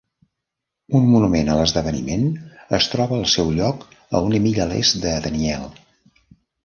Un monument a l'esdeveniment es troba al seu lloc a una milla a l'est de Daniel.